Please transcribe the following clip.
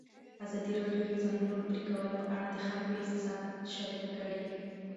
ازادي راډیو د د ځنګلونو پرېکول په اړه د خلکو احساسات شریک کړي.